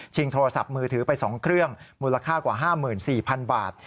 โทรศัพท์มือถือไป๒เครื่องมูลค่ากว่า๕๔๐๐๐บาท